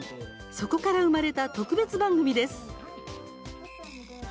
そこから生まれた特別番組です。